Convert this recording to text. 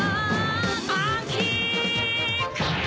アンキック！